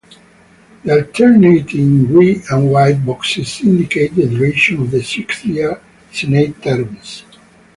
The alternating grey and white boxes indicate the duration of the six-year Senate terms.